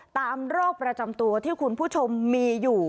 โรคประจำตัวที่คุณผู้ชมมีอยู่